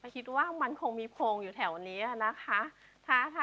คิดว่ามันคงมีโพงอยู่แถวนี้นะคะ